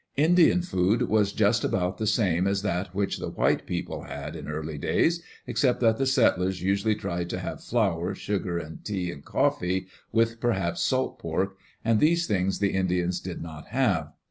Indian food was just about the same as that which the white people had in early days, except that the settlers usually tried to have flour, sugar, and tea and coffee, with perhaps salt pork, and these things the Indians did not have.